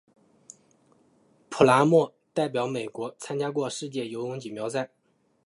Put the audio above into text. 普拉默代表美国参加过世界游泳锦标赛。